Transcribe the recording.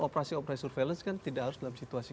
operasi operasi surveillance kan tidak harus dalam situasi